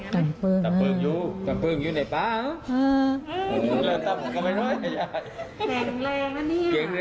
ตรัมขนาดนี่